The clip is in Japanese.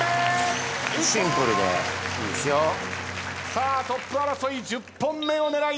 さあトップ争い１０本目を狙います。